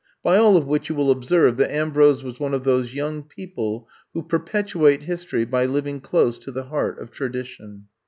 By all of which you will observe that Ambrose was one of those young people who perpetuate history by living close to the heart of tradi tion.